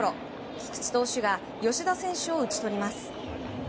菊池投手が吉田選手を打ち取ります。